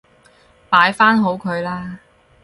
擺返好佢啦